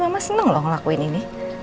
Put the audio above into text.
mama senang loh ngelakuin ini